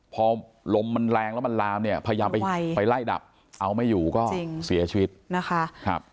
พอลมมันแรงแล้วมันลามเนี่ยพยายามไปไล่ดับเอาไม่อยู่ก็เสียชีวิตนะคะ